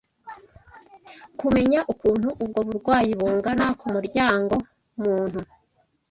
kumenya ukuntu ubwo burwayi bungana ku muryango muntu